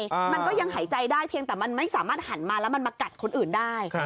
มันก็ยังหายใจได้มันพอมากินได้